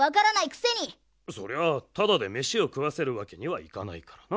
そりゃあタダでめしをくわせるわけにはいかないからな。